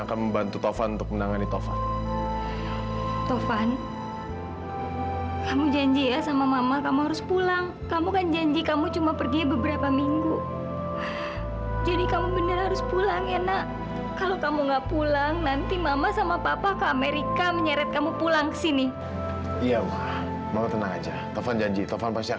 sampai jumpa di video selanjutnya